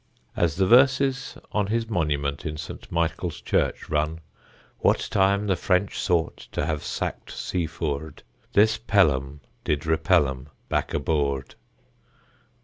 As the verses on his monument in St. Michael's Church run: What time the French sought to have sackt Sea Foord, This Pelham did repel em back aboord.